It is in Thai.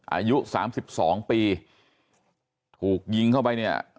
อายุสามสิบสองปีถูกยิงเข้าไปเนี่ย